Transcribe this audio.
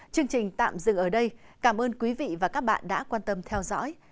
chương trình tạm dừng ở đây cảm ơn quý vị và các bạn đã quan tâm theo dõi